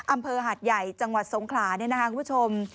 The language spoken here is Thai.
อำเภอหาดใหญ่จังหวัดสงขลาเนี่ยนะคะคุณผู้ชม